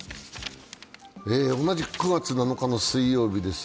同じく９月７日の水曜日です。